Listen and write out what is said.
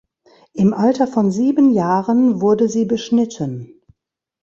Im Alter von sieben Jahren wurde sie beschnitten.